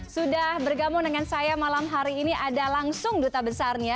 sudah bergabung dengan saya malam hari ini ada langsung duta besarnya